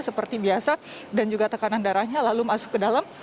seperti biasa dan juga tekanan darahnya lalu masuk ke dalam